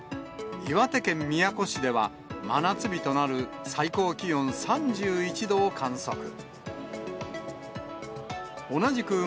岩手県宮古市では真夏日となる、最高気温３１度を観測。